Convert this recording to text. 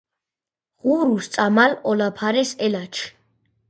ღურუშ წამალ ოლაფარეს ელაჩ